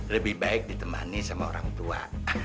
lebih baik ditemani sama orang tua